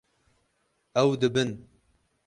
Ew dibin.